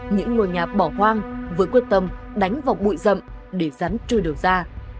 những người nhà bỏ hoang với quyết tâm đánh vào bụi rậm để rắn trôi đường ra